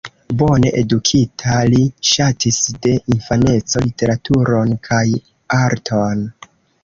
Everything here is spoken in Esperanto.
Bone edukita, li ŝatis de infaneco literaturon kaj arton.